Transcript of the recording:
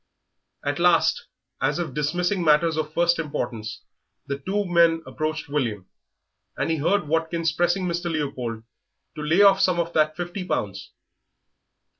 At last, as if dismissing matters of first importance, the two men approached William, and he heard Watkins pressing Mr. Leopold to lay off some of that fifty pounds.